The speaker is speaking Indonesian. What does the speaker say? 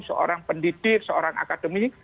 seorang pendidik seorang akademik